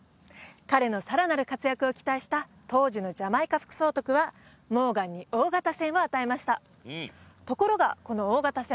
彼のさらなる活躍を期待した当時のジャマイカ副総督はモーガンに大型船を与えましたところがこの大型船